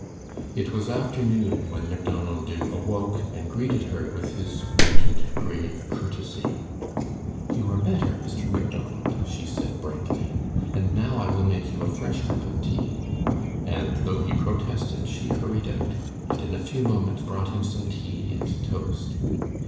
It was afternoon when Macdonald Dubh awoke and greeted her with his wonted grave courtesy. "You are better, Mr. Macdonald," she said, brightly. "And now I will make you a fresh cup of tea"; and though he protested, she hurried out, and in a few moments brought him some tea and toast.